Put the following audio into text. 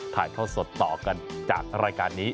ถ่ายท่อสดต่อกันจากรายการนี้